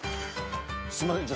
すいません。